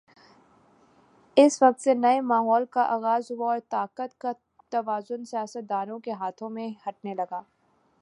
اس وقت سے نئے ماحول کا آغاز ہوا اور طاقت کا توازن سیاستدانوں کے ہاتھوں سے ہٹنے لگا۔